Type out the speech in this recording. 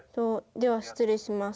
では失礼します。